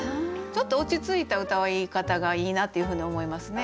ちょっと落ち着いたうたい方がいいなっていうふうに思いますね。